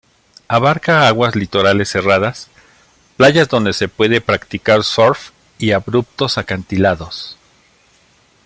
Abarca aguas litorales cerradas, playas donde se puede practicar surf y abruptos acantilados.